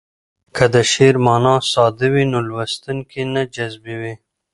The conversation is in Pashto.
که د شعر مانا ساده وي نو لوستونکی نه جذبوي.